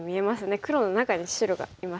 黒の中に白がいますもんね。